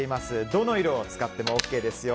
どの色を使ってもＯＫですよ。